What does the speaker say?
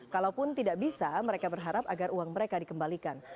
kalaupun tidak bisa mereka berharap agar uang mereka dikembalikan